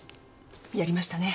やりましたね。